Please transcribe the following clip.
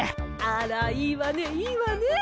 あらいいわねいいわね。